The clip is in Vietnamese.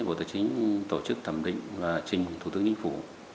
bộ tài chính tổ chức thẩm định và trình thủ tướng chính phủ